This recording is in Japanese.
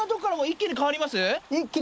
一気に変わります！